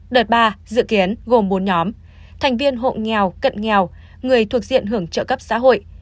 đợt ba dự kiến gồm bốn nhóm thành viên hộ nghèo cận nghèo người thuộc diện hưởng trợ cấp xã hội